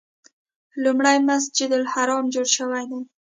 لومړی مسجد الحرام جوړ شوی دی.